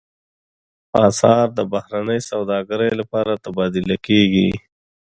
اسعار د بهرنۍ سوداګرۍ لپاره تبادله کېږي.